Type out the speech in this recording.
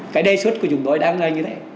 cái đề xuất của chúng tôi đang như thế